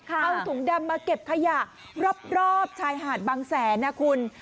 เอาถุงดำมาเก็บขยะรอบชายหาดบางแสนนะคุณ